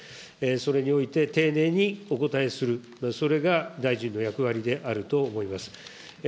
それにおいて丁寧にお答えする、それが大臣の役割であると思います。